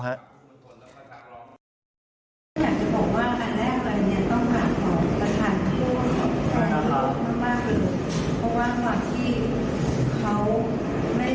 อยากจะบอกว่าแรกแผ่นต้องการขอประถัดภูทธ์